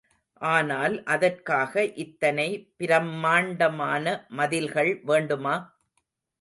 ஆனால் அதற்காக இத்தனை பிரம்மாண்டமான மதில்கள் வேண்டுமா?